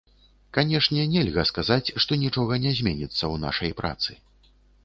Канешне, нельга сказаць, што нічога не зменіцца ў нашай працы.